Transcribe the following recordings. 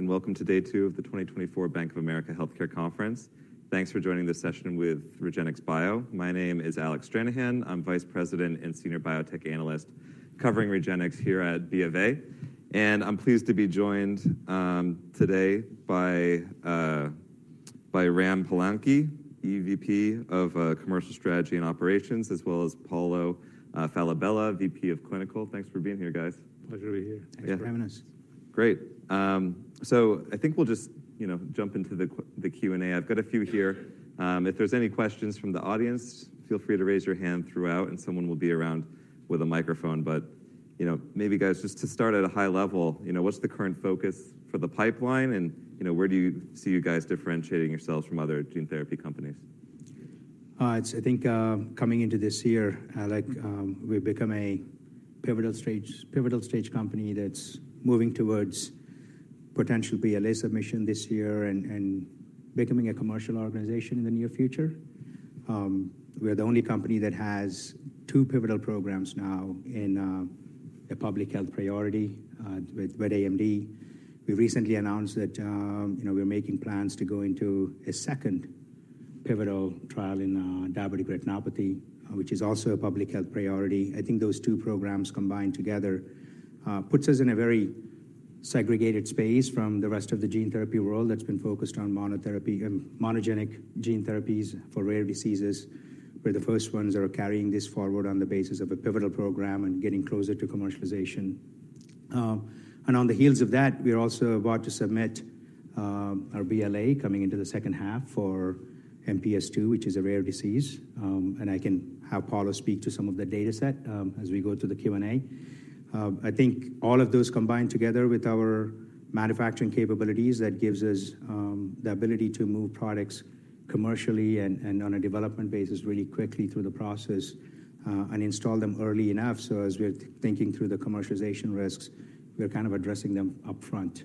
Welcome to day two of the 2024 Bank of America Healthcare Conference. Thanks for joining this session with REGENXBIO. My name is Alec Stranahan. I'm Vice President and Senior Biotech Analyst covering REGENXBIO here at BofA, and I'm pleased to be joined today by Ram Palanki, EVP of Commercial Strategy and Operations, as well as Paulo Falabella, VP of Clinical. Thanks for being here, guys. Pleasure to be here. Thanks for having us. Great. So I think we'll just, you know, jump into the Q&A. I've got a few here. If there's any questions from the audience, feel free to raise your hand throughout, and someone will be around with a microphone. But, you know, maybe, guys, just to start at a high level, you know, what's the current focus for the pipeline, and, you know, where do you see you guys differentiating yourselves from other gene therapy companies? It's, I think, coming into this year, like, we've become a pivotal stage, pivotal stage company that's moving towards potential BLA submission this year and becoming a commercial organization in the near future. We are the only company that has two pivotal programs now in a public health priority with wet AMD. We recently announced that, you know, we're making plans to go into a second pivotal trial in diabetic retinopathy, which is also a public health priority. I think those two programs combined together puts us in a very segregated space from the rest of the gene therapy world that's been focused on monotherapy and monogenic gene therapies for rare diseases. We're the first ones that are carrying this forward on the basis of a pivotal program and getting closer to commercialization. And on the heels of that, we are also about to submit, our BLA coming into the second half for MPS II, which is a rare disease. And I can have Paulo speak to some of the data set, as we go through the Q&A. I think all of those combined together with our manufacturing capabilities, that gives us, the ability to move products commercially and, and on a development basis really quickly through the process, and install them early enough. So as we're thinking through the commercialization risks, we are kind of addressing them upfront.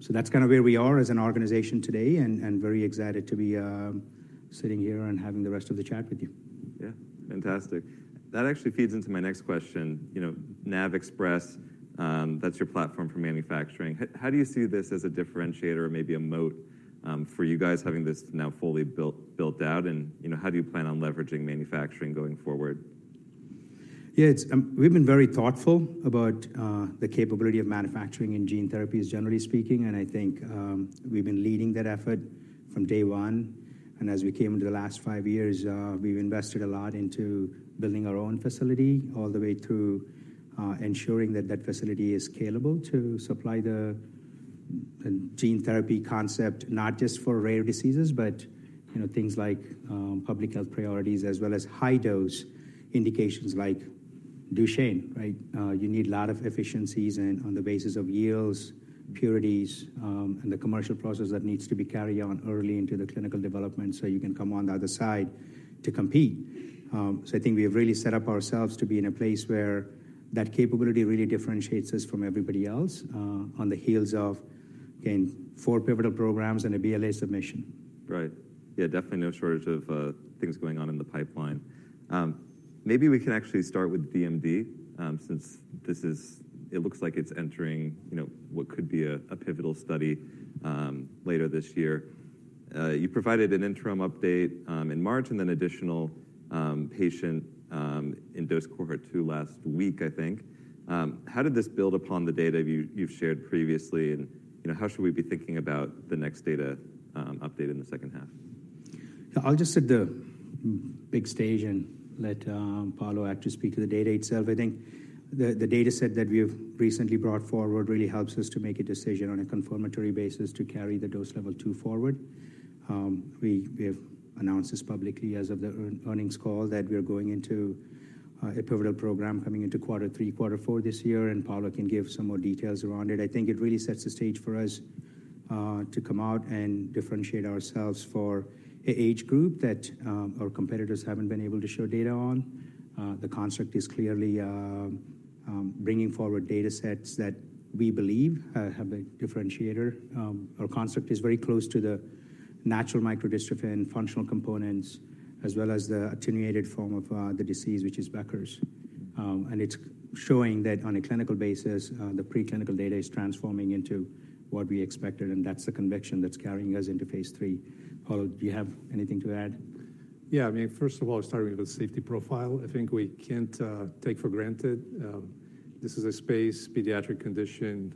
So that's kind of where we are as an organization today, and, and very excited to be, sitting here and having the rest of the chat with you. Yeah, fantastic. That actually feeds into my next question. You know, NAVXpress, that's your platform for manufacturing. How do you see this as a differentiator or maybe a moat, for you guys, having this now fully built, built out, and, you know, how do you plan on leveraging manufacturing going forward? Yeah, it's... We've been very thoughtful about the capability of manufacturing in gene therapies, generally speaking, and I think, we've been leading that effort from day one. As we came into the last five years, we've invested a lot into building our own facility, all the way to ensuring that that facility is scalable to supply the gene therapy concept, not just for rare diseases, but, you know, things like public health priorities, as well as high-dose indications like Duchenne, right? You need a lot of efficiencies and on the basis of yields, purities, and the commercial process that needs to be carried on early into the clinical development, so you can come on the other side to compete. I think we have really set up ourselves to be in a place where that capability really differentiates us from everybody else, on the heels of gaining four pivotal programs and a BLA submission. Right. Yeah, definitely no shortage of things going on in the pipeline. Maybe we can actually start with DMD, since this is, it looks like it's entering, you know, what could be a pivotal study, later this year. You provided an interim update in March and then additional patient in dose cohort two last week, I think. How did this build upon the data you've shared previously, and, you know, how should we be thinking about the next data update in the second half? I'll just set the big stage and let Paulo actually speak to the data itself. I think the data set that we have recently brought forward really helps us to make a decision on a confirmatory basis to carry the dose level two forward. We have announced this publicly as of the earnings call, that we are going into a pivotal program coming into quarter three, quarter four this year, and Paulo can give some more details around it. I think it really sets the stage for us to come out and differentiate ourselves for an age group that our competitors haven't been able to show data on. The construct is clearly bringing forward data sets that we believe have a differentiator. Our construct is very close to the natural microdystrophin functional components, as well as the attenuated form of the disease, which is Becker's. It's showing that on a clinical basis, the preclinical data is transforming into what we expected, and that's the conviction that's carrying us into phase three. Paulo, do you have anything to add? Yeah, I mean, first of all, starting with the safety profile, I think we can't take for granted. This is a space, pediatric condition,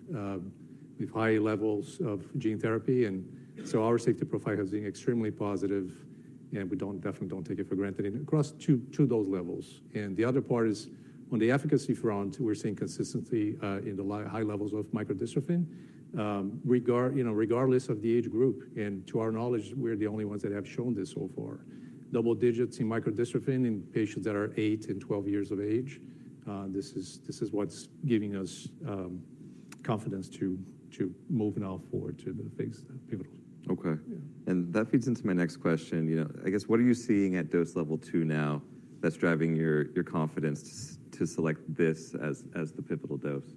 with high levels of gene therapy, and so our safety profile has been extremely positive, and we definitely don't take it for granted, and across two dose levels. The other part is, on the efficacy front, we're seeing consistency in high levels of microdystrophin, regardless, you know, of the age group, and to our knowledge, we're the only ones that have shown this so far. Double digits in microdystrophin in patients that are eight and 12 years of age, this is what's giving us confidence to move now forward to the pivotal phase. Okay. Yeah. That feeds into my next question. You know, I guess, what are you seeing at dose level 2 now, that's driving your confidence to select this as the pivotal dose?...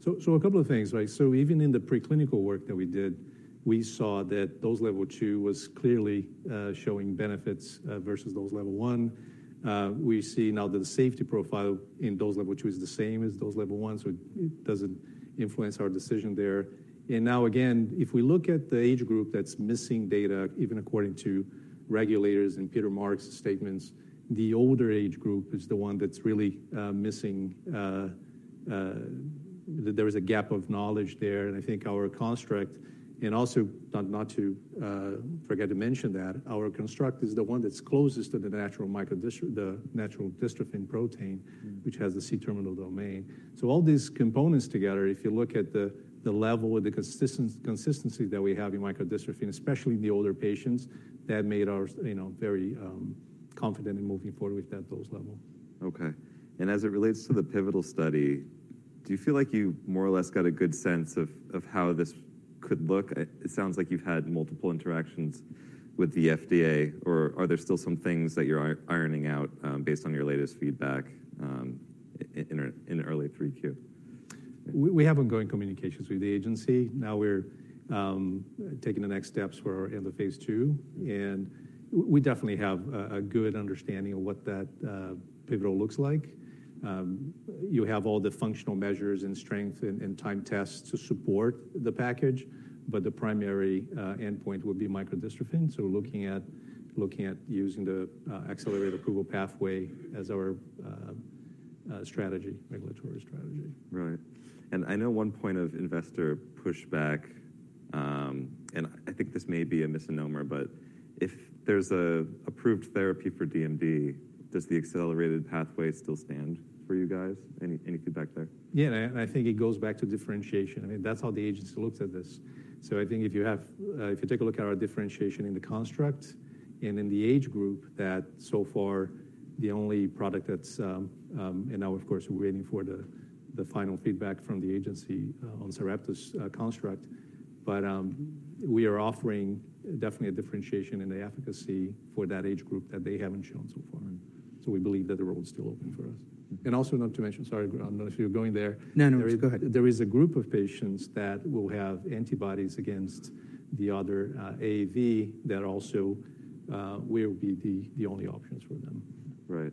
So, so a couple of things, right? So even in the preclinical work that we did, we saw that dose level two was clearly showing benefits versus dose level 1. We see now that the safety profile in dose level two is the same as dose level one, so it doesn't influence our decision there. And now, again, if we look at the age group that's missing data, even according to regulators and Peter Marks' statements, the older age group is the one that's really missing... There is a gap of knowledge there, and I think our construct, and also not to forget to mention that our construct is the one that's closest to the natural microdystrophin, the natural dystrophin protein- Mm-hmm. -which has the C-terminal domain. So all these components together, if you look at the level of the consistency that we have in micro dystrophin, especially in the older patients, that made us, you know, very confident in moving forward with that dose level. Okay. As it relates to the pivotal study, do you feel like you more or less got a good sense of how this could look? It sounds like you've had multiple interactions with the FDA, or are there still some things that you're ironing out, based on your latest feedback, in early 3Q? We, we have ongoing communications with the agency. Now we're taking the next steps. We're in the phase two, and we definitely have a good understanding of what that pivotal looks like. You have all the functional measures and strength and time tests to support the package, but the primary endpoint would be micro dystrophin. So we're looking at using the accelerated approval pathway as our strategy, regulatory strategy. Right. I know one point of investor pushback, and I think this may be a misnomer, but if there's an approved therapy for DMD, does the accelerated pathway still stand for you guys? Any feedback there? Yeah, and I think it goes back to differentiation. I mean, that's how the agency looks at this. So I think if you have, if you take a look at our differentiation in the construct and in the age group, that so far the only product that's. And now, of course, we're waiting for the final feedback from the agency on Sarepta's construct. But, we are offering definitely a differentiation in the efficacy for that age group that they haven't shown so far. So we believe that the road's still open for us. And also not to mention- sorry, I know I see you going there. No, no, go ahead. There is a group of patients that will have antibodies against the other AAV that also we will be the only options for them. Right.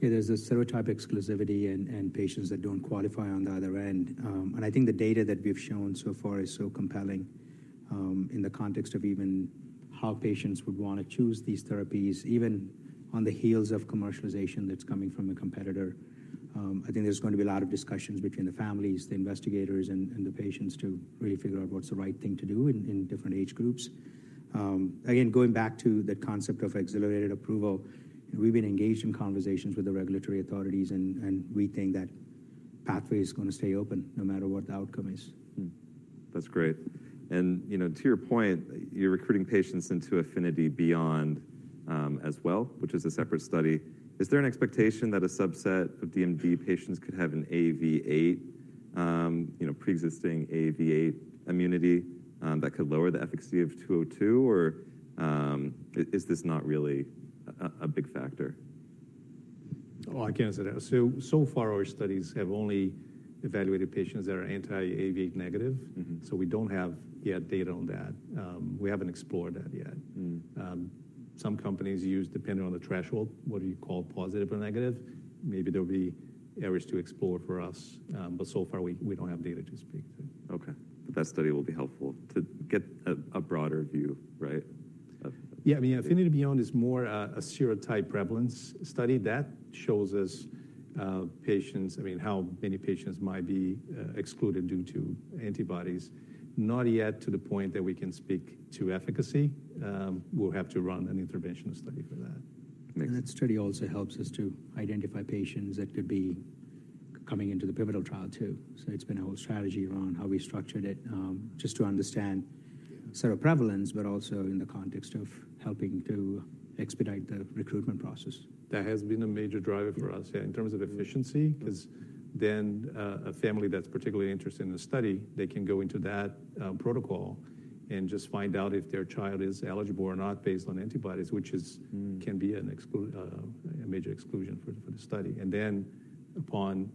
Yeah, there's a serotype exclusivity and patients that don't qualify on the other end. And I think the data that we've shown so far is so compelling, in the context of even how patients would wanna choose these therapies, even on the heels of commercialization that's coming from a competitor. I think there's going to be a lot of discussions between the families, the investigators and the patients to really figure out what's the right thing to do in different age groups. Again, going back to the concept of accelerated approval, we've been engaged in conversations with the regulatory authorities, and we think that pathway is gonna stay open no matter what the outcome is. Hmm. That's great. And, you know, to your point, you're recruiting patients into AFFINITY-BEYOND, as well, which is a separate study. Is there an expectation that a subset of DMD patients could have an AAV8, you know, pre-existing AAV8 immunity, that could lower the efficacy of 202? Or, is this not really a big factor? Oh, I can answer that. So, so far, our studies have only evaluated patients that are anti-AAV negative. Mm-hmm. So we don't have yet data on that. We haven't explored that yet. Mm. Some companies use, depending on the threshold, what you call positive or negative. Maybe there will be areas to explore for us, but so far we don't have data to speak to. Okay. But that study will be helpful to get a broader view, right? Of- Yeah, I mean, AFFINITY-BEYOND is more a serotype prevalence study that shows us patients, I mean, how many patients might be excluded due to antibodies. Not yet to the point that we can speak to efficacy. We'll have to run an interventional study for that. That study also helps us to identify patients that could be coming into the pivotal trial too. It's been a whole strategy around how we structured it, just to understand seroprevalence, but also in the context of helping to expedite the recruitment process. That has been a major driver for us, yeah, in terms of efficiency, 'cause then, a family that's particularly interested in the study, they can go into that, protocol and just find out if their child is eligible or not based on antibodies, which is- Mm... can be an exclusion, a major exclusion for the study. And then, upon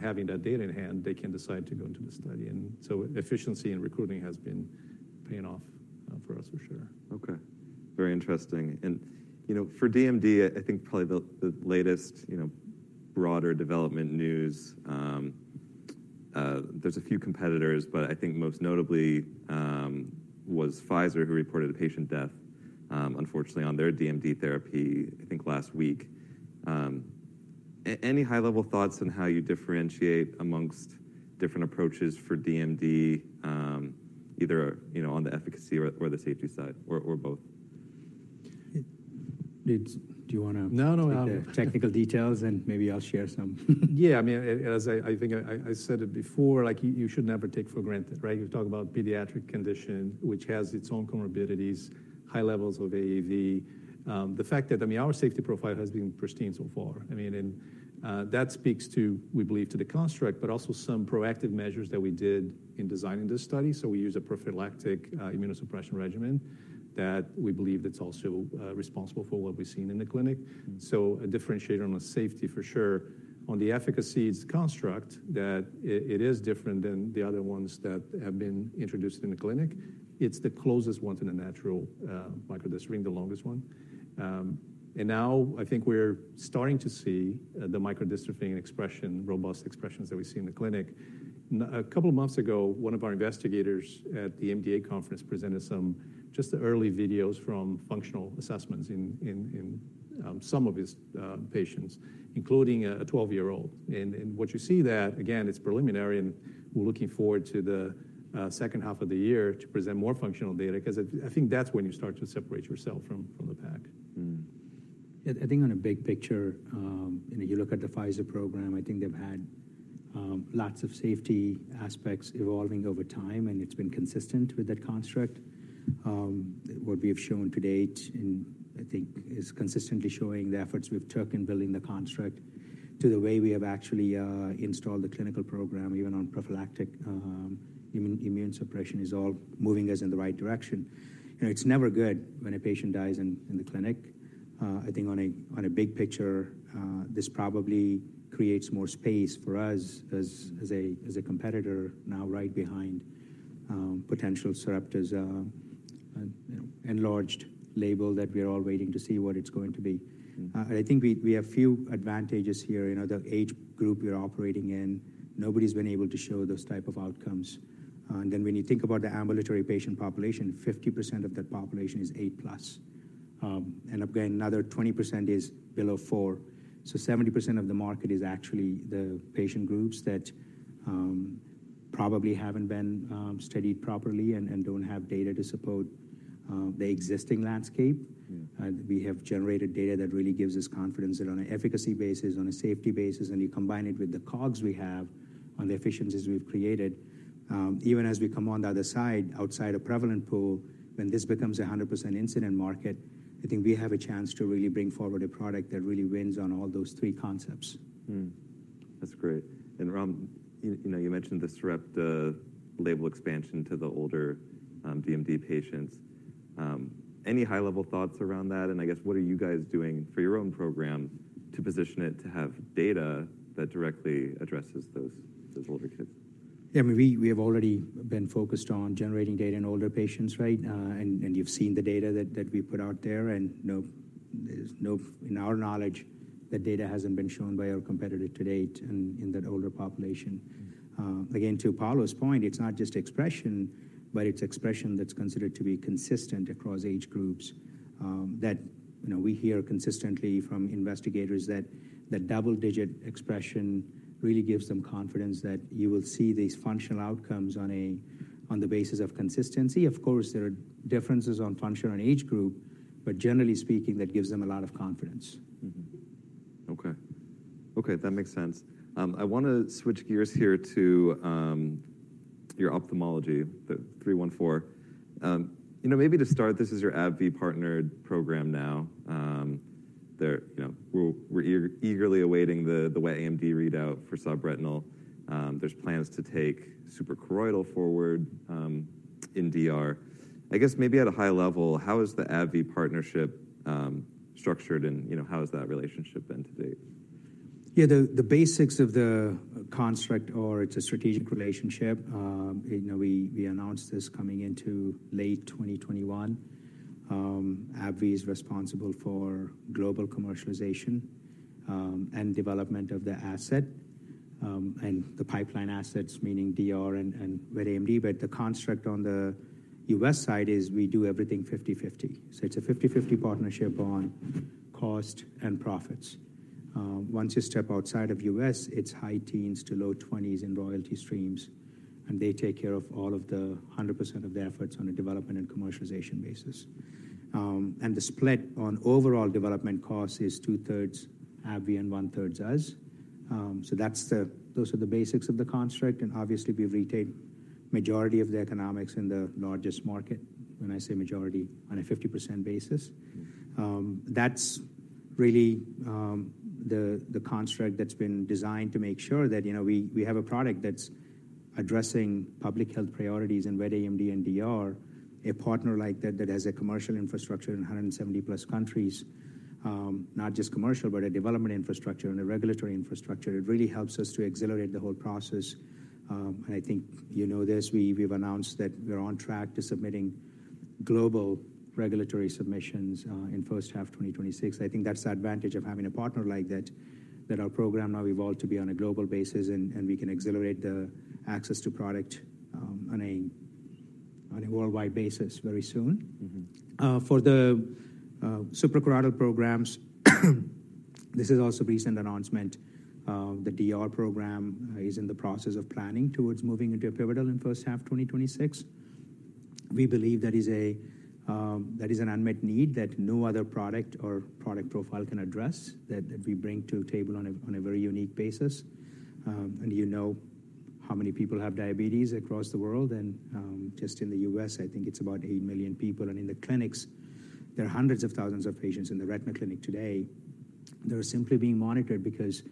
having that data in hand, they can decide to go into the study. And so efficiency in recruiting has been paying off for us for sure. Okay. Very interesting. You know, for DMD, I think probably the latest, you know, broader development news, there's a few competitors, but I think most notably was Pfizer, who reported a patient death, unfortunately, on their DMD therapy, I think last week. Any high-level thoughts on how you differentiate amongst different approaches for DMD, either, you know, on the efficacy or the safety side or both? Do you wanna- No, no. Technical details, and maybe I'll share some. Yeah, I mean, as I think I said it before, like you should never take for granted, right? You talk about pediatric condition, which has its own comorbidities... high levels of AAV. The fact that, I mean, our safety profile has been pristine so far. I mean, and, that speaks to, we believe, to the construct, but also some proactive measures that we did in designing this study. So we use a prophylactic, immunosuppression regimen that we believe that's also, responsible for what we've seen in the clinic. So a differentiator on the safety for sure. On the efficacy's construct, that it is different than the other ones that have been introduced in the clinic. It's the closest one to the natural, microdystrophin, the longest one. And now I think we're starting to see the microdystrophin expression, robust expressions that we see in the clinic. A couple of months ago, one of our investigators at the MDA conference presented some just early videos from functional assessments in some of his patients, including a 12-year-old. And what you see that, again, it's preliminary, and we're looking forward to the second half of the year to present more functional data because I think that's when you start to separate yourself from the pack. Mm-hmm. I think on a big picture, you know, you look at the Pfizer program. I think they've had lots of safety aspects evolving over time, and it's been consistent with that construct. What we have shown to date, and I think is consistently showing the efforts we've took in building the construct to the way we have actually installed the clinical program, even on prophylactic immune suppression, is all moving us in the right direction. You know, it's never good when a patient dies in the clinic. I think on a big picture, this probably creates more space for us as a competitor now right behind potential Sarepta's enlarged label that we are all waiting to see what it's going to be. Mm-hmm. I think we have few advantages here. You know, the age group we are operating in, nobody's been able to show those type of outcomes. And then when you think about the ambulatory patient population, 50% of that population is 8+. And again, another 20% is below four. So 70% of the market is actually the patient groups that probably haven't been studied properly and don't have data to support the existing landscape. Mm-hmm. We have generated data that really gives us confidence that on an efficacy basis, on a safety basis, and you combine it with the COGS we have on the efficiencies we've created, even as we come on the other side, outside of prevalent pool, when this becomes 100% incident market, I think we have a chance to really bring forward a product that really wins on all those three concepts. Mm-hmm. That's great. And Ram, you know, you mentioned the Sarepta label expansion to the older DMD patients. Any high-level thoughts around that? And I guess, what are you guys doing for your own program to position it to have data that directly addresses those older kids? Yeah, I mean, we have already been focused on generating data in older patients, right? And you've seen the data that we put out there, and no, in our knowledge, that data hasn't been shown by our competitor to date in that older population. Mm-hmm. Again, to Paulo's point, it's not just expression, but it's expression that's considered to be consistent across age groups. You know, we hear consistently from investigators that the double-digit expression really gives them confidence that you will see these functional outcomes on the basis of consistency. Of course, there are differences on function on age group, but generally speaking, that gives them a lot of confidence. Mm-hmm. Okay. Okay, that makes sense. I wanna switch gears here to your ophthalmology, the 314. You know, maybe to start, this is your AbbVie partnered program now. They're, you know, eagerly awaiting the wet AMD readout for subretinal. There's plans to take suprachoroidal forward in DR. I guess maybe at a high level, how is the AbbVie partnership structured, and, you know, how has that relationship been to date? Yeah, the basics of the construct are it's a strategic relationship. You know, we announced this coming into late 2021. AbbVie is responsible for global commercialization, and development of the asset, and the pipeline assets, meaning DR and wet AMD. But the construct on the U.S. side is we do everything 50/50. So it's a 50/50 partnership on cost and profits. Once you step outside of U.S., it's high teens to low twenties in royalty streams, and they take care of all of the 100% of the efforts on a development and commercialization basis. And the split on overall development costs is two-thirds AbbVie and one-third us. So that's those are the basics of the construct, and obviously, we've retained majority of the economics in the largest market. When I say majority, on a 50% basis. Mm-hmm. That's really the construct that's been designed to make sure that, you know, we have a product that's addressing public health priorities in wet AMD and DR. A partner like that, that has a commercial infrastructure in 170+ countries, not just commercial, but a development infrastructure and a regulatory infrastructure, it really helps us to accelerate the whole process. I think you know this, we've announced that we're on track to submitting global regulatory submissions in first half 2026. I think that's the advantage of having a partner like that, that our program now evolved to be on a global basis, and we can accelerate the access to product on a worldwide basis very soon. Mm-hmm. For the suprachoroidal programs, this is also recent announcement. The DR program is in the process of planning towards moving into a pivotal in first half 2026. We believe that is an unmet need that no other product or product profile can address, that we bring to the table on a very unique basis. And you know how many people have diabetes across the world, and just in the U.S., I think it's about eight million people. And in the clinics, there are hundreds of thousands of patients in the retina clinic today. They're simply being monitored because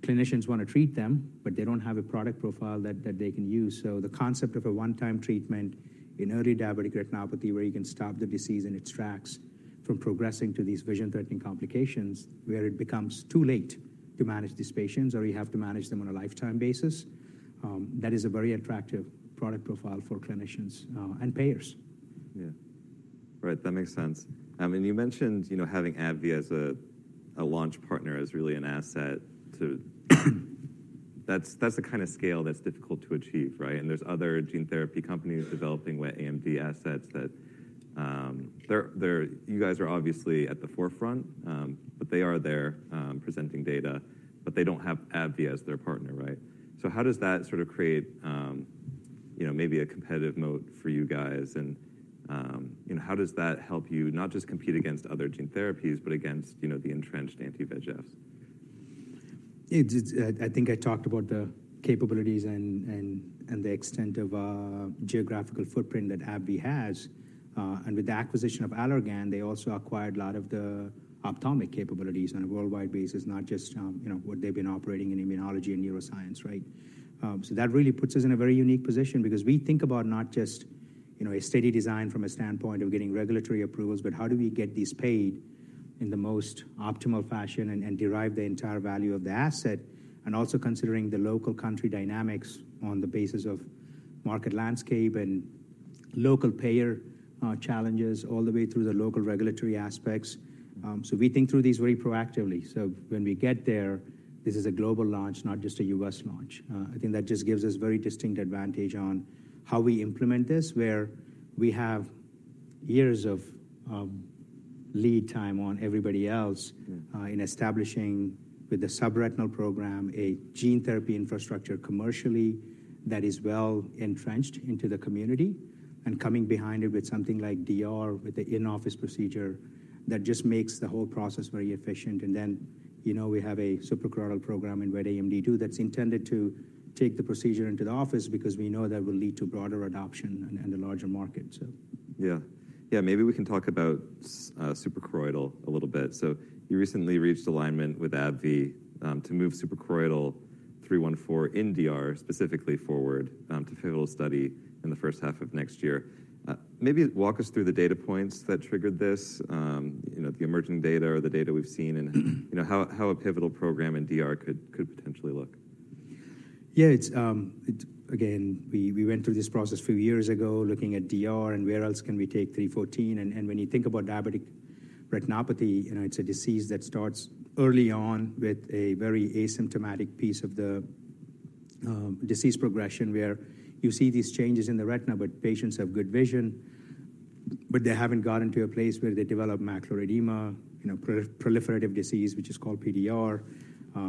clinicians want to treat them, but they don't have a product profile that they can use. The concept of a one-time treatment in early diabetic retinopathy, where you can stop the disease in its tracks from progressing to these vision-threatening complications, where it becomes too late to manage these patients, or you have to manage them on a lifetime basis, that is a very attractive product profile for clinicians, and payers. Yeah. Right, that makes sense. I mean, you mentioned, you know, having AbbVie as a launch partner is really an asset to. That's, that's the kind of scale that's difficult to achieve, right? And there's other gene therapy companies developing wet AMD assets that, they're you guys are obviously at the forefront, but they are there presenting data, but they don't have AbbVie as their partner, right? So how does that sort of create, you know, maybe a competitive moat for you guys, and, you know, how does that help you not just compete against other gene therapies, but against, you know, the entrenched anti-VEGFs? It's, I think I talked about the capabilities and the extent of geographical footprint that AbbVie has. And with the acquisition of Allergan, they also acquired a lot of the ophthalmic capabilities on a worldwide basis, not just, you know, what they've been operating in immunology and neuroscience, right? So that really puts us in a very unique position because we think about not just, you know, a study design from a standpoint of getting regulatory approvals, but how do we get these paid in the most optimal fashion and derive the entire value of the asset, and also considering the local country dynamics on the basis of market landscape and local payer challenges, all the way through the local regulatory aspects. So we think through these very proactively. So when we get there, this is a global launch, not just a US launch. I think that just gives us very distinct advantage on how we implement this, where we have years of lead time on everybody else- Mm-hmm. in establishing with the subretinal program, a gene therapy infrastructure commercially, that is well entrenched into the community, and coming behind it with something like DR, with the in-office procedure, that just makes the whole process very efficient. And then, you know, we have a suprachoroidal program in wet AMD too, that's intended to take the procedure into the office because we know that will lead to broader adoption and, and a larger market, so. Yeah. Yeah, maybe we can talk about suprachoroidal a little bit. So you recently reached alignment with AbbVie to move suprachoroidal 314 in DR, specifically forward to pivotal study in the first half of next year. Maybe walk us through the data points that triggered this, you know, the emerging data or the data we've seen and, you know, how a pivotal program in DR could potentially look. Yeah, it's. Again, we went through this process a few years ago, looking at DR and where else can we take 314. And when you think about diabetic retinopathy, you know, it's a disease that starts early on with a very asymptomatic piece of the disease progression, where you see these changes in the retina, but patients have good vision, but they haven't gotten to a place where they develop macular edema, you know, proliferative disease, which is called PDR.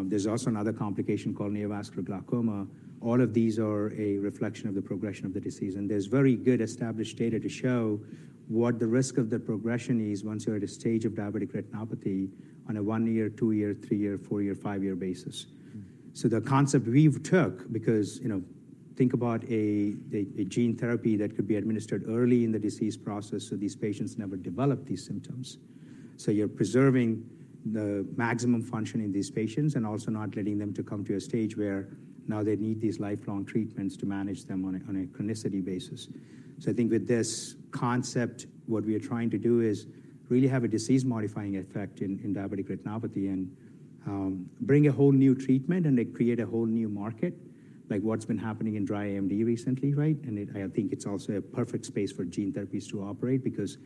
There's also another complication called neovascular glaucoma. All of these are a reflection of the progression of the disease, and there's very good established data to show what the risk of the progression is once you're at a stage of diabetic retinopathy on a one-year, two-year, three-year, four-year, five-year basis. Mm-hmm. So the concept we've took, because, you know, think about a gene therapy that could be administered early in the disease process, so these patients never develop these symptoms. So you're preserving the maximum function in these patients and also not letting them to come to a stage where now they need these lifelong treatments to manage them on a chronicity basis. So I think with this concept, what we are trying to do is really have a disease-modifying effect in diabetic retinopathy and bring a whole new treatment and then create a whole new market, like what's been happening in dry AMD recently, right? And I think it's also a perfect space for gene therapies to operate because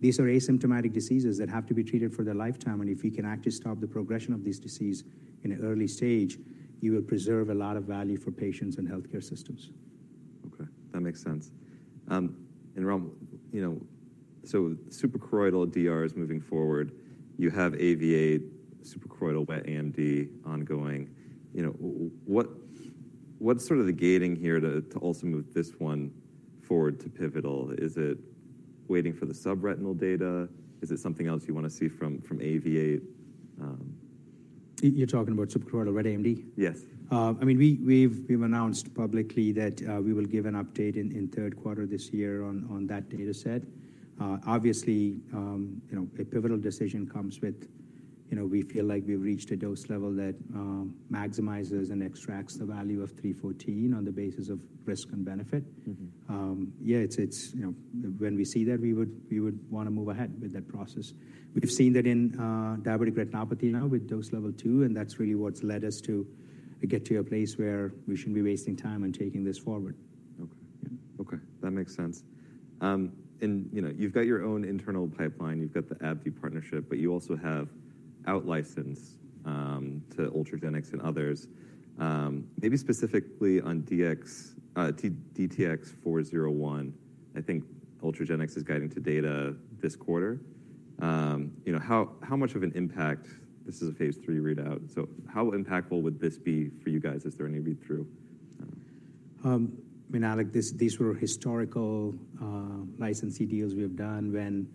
these are asymptomatic diseases that have to be treated for their lifetime, and if you can actually stop the progression of this disease in an early stage, you will preserve a lot of value for patients and healthcare systems. Okay, that makes sense. And Ram, you know, so suprachoroidal DR is moving forward. You have AAV, suprachoroidal wet AMD ongoing. You know, what's sort of the gating here to also move this one forward to pivotal? Is it waiting for the subretinal data? Is it something else you want to see from AAV8? You're talking about suprachoroidal wet AMD? Yes. I mean, we've announced publicly that we will give an update in third quarter this year on that data set. Obviously, you know, a pivotal decision comes with, you know, we feel like we've reached a dose level that maximizes and extracts the value of 314 on the basis of risk and benefit. Mm-hmm. Yeah, it's, you know, when we see that, we would want to move ahead with that process. We've seen that in diabetic retinopathy now with dose level two, and that's really what's led us to get to a place where we shouldn't be wasting time and taking this forward. Okay. Yeah. Okay, that makes sense. And, you know, you've got your own internal pipeline, you've got the AbbVie partnership, but you also have outlicense to Ultragenyx and others. Maybe specifically on DTX-401, I think Ultragenyx is guiding to data this quarter. You know, how, how much of an impact, this is a phase III readout, so how impactful would this be for you guys as they read through?... I mean, Alec, this, these were historical licensee deals we have done when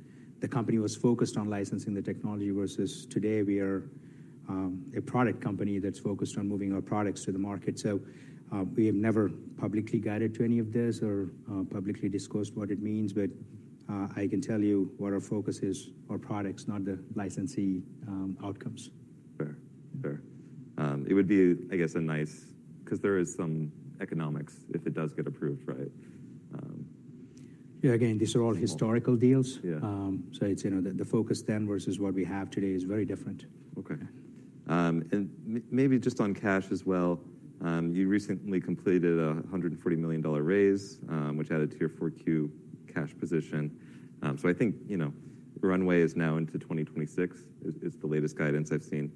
the company was focused on licensing the technology, versus today, we are a product company that's focused on moving our products to the market. So, we have never publicly guided to any of this or publicly disclosed what it means, but I can tell you what our focus is: our products, not the licensee outcomes. It would be, I guess, a nice, because there is some economics if it does get approved, right? Yeah, again, these are all historical deals. Yeah. So it's, you know, the focus then versus what we have today is very different. Okay. And maybe just on cash as well, you recently completed a $140 million raise, which added to your 4Q cash position. So I think, you know, runway is now into 2026, is the latest guidance I've seen.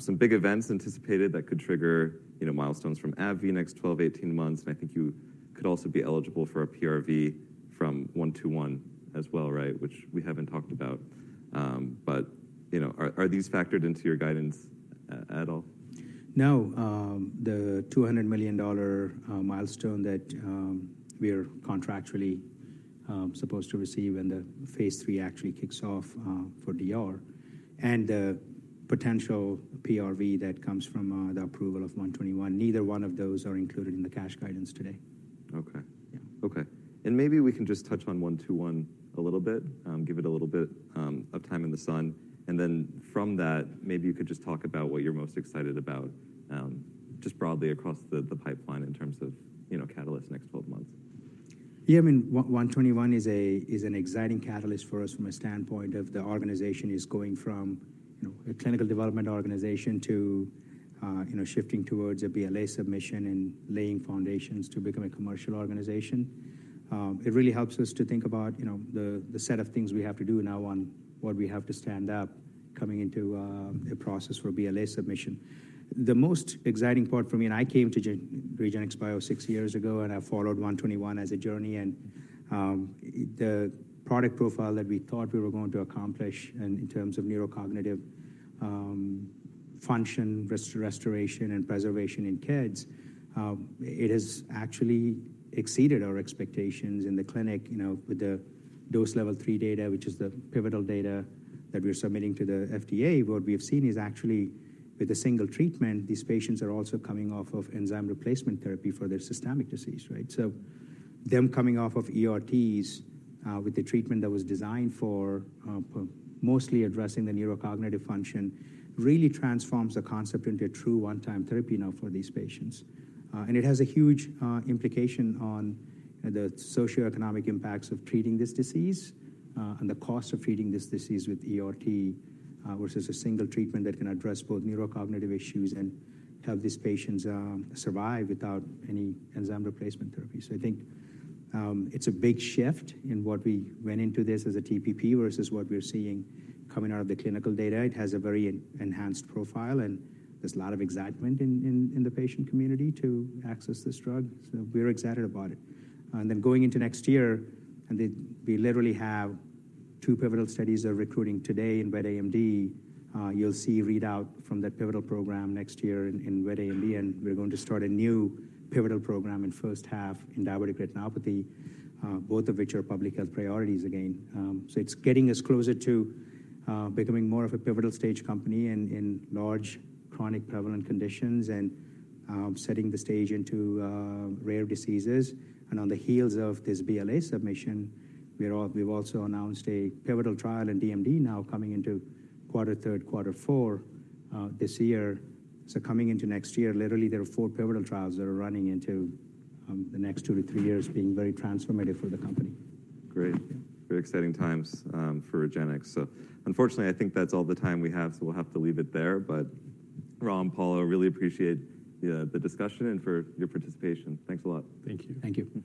Some big events anticipated that could trigger, you know, milestones from AbbVie next 12-18 months, and I think you could also be eligible for a PRV from 121 as well, right? Which we haven't talked about. But, you know, are these factored into your guidance at all? No, the $200 million milestone that we are contractually supposed to receive when the phase 3 actually kicks off for DR. And the potential PRV that comes from the approval of 121, neither one of those are included in the cash guidance today. Okay. Yeah. Okay. And maybe we can just touch on 121 a little bit, give it a little bit, of time in the sun. And then from that, maybe you could just talk about what you're most excited about, just broadly across the, the pipeline in terms of, you know, catalysts next twelve months. Yeah, I mean, RGX-121 is an exciting catalyst for us from a standpoint of the organization going from, you know, a clinical development organization to, you know, shifting towards a BLA submission and laying foundations to become a commercial organization. It really helps us to think about, you know, the set of things we have to do now on what we have to stand up coming into a process for BLA submission. The most exciting part for me, and I came to REGENXBIO six years ago, and I followed RGX-121 as a journey and, the product profile that we thought we were going to accomplish in terms of neurocognitive function, restoration and preservation in kids, it has actually exceeded our expectations in the clinic, you know, with the dose level three data, which is the pivotal data that we're submitting to the FDA. What we have seen is actually, with a single treatment, these patients are also coming off of enzyme replacement therapy for their systemic disease, right? So them coming off of ERTs with a treatment that was designed for mostly addressing the neurocognitive function, really transforms the concept into a true one-time therapy now for these patients. It has a huge implication on the socioeconomic impacts of treating this disease, and the cost of treating this disease with ERT, versus a single treatment that can address both neurocognitive issues and help these patients survive without any enzyme replacement therapy. So I think it's a big shift in what we went into this as a TPP versus what we're seeing coming out of the clinical data. It has a very enhanced profile, and there's a lot of excitement in the patient community to access this drug, so we're excited about it. And then going into next year, and then we literally have two pivotal studies that are recruiting today in wet AMD. You'll see readout from that pivotal program next year in wet AMD, and we're going to start a new pivotal program in first half in diabetic retinopathy, both of which are public health priorities again. So it's getting us closer to becoming more of a pivotal stage company in large, chronic, prevalent conditions and setting the stage into rare diseases. And on the heels of this BLA submission, we've also announced a pivotal trial in DMD now coming into third quarter, fourth quarter this year. So coming into next year, literally, there are four pivotal trials that are running into the next two to three years, being very transformative for the company. Great. Very exciting times for Regenxbio. So unfortunately, I think that's all the time we have, so we'll have to leave it there. But Ram, Paulo, really appreciate the discussion and for your participation. Thanks a lot. Thank you. Thank you.